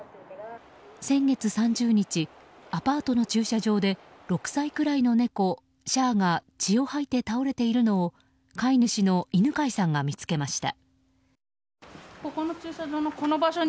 先月３０日、アパートの駐車場で６歳くらいの猫、シャーが血を吐いて倒れているのを飼い主の犬飼さんが見つけました。